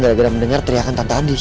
gara gara mendengar teriakan tante andis